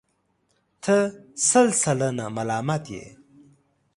ته سل سلنه ملامت یې.